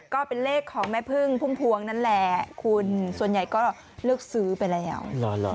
ก็เป็นเลขของแม่พึ่งพุ่มพวงนั่นแหละคุณส่วนใหญ่ก็เลือกซื้อไปแล้ว